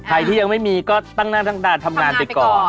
ใครที่ยังไม่มีก็ตั้งหน้าตั้งตาทำงานไปก่อน